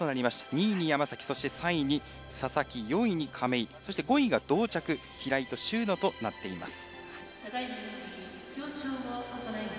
２位に山崎、３位に佐々木４位に亀井、そして５位が同着平井と秀野となっています。